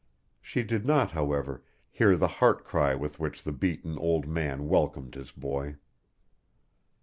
She did not, however, hear the heart cry with which the beaten old man welcomed his boy.